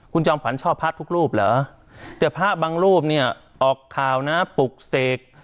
คุณจอมขวัญชอบพระทุกรูปเหรอแต่พระบางรูปเนี่ยออกข่าวนะปลุกเสก